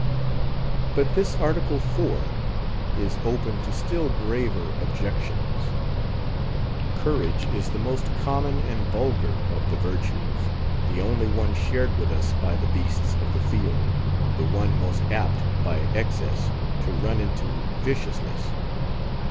But this Article IV. is open to still graver objections. Courage is the most common and vulgar of the virtues; the only one shared with us by the beasts of the field; the one most apt, by excess, to run into viciousness.